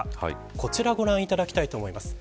こちらをご覧いただきたいと思います。